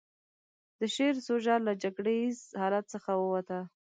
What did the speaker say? د شعر سوژه له جګړه ييز حالت څخه ووته.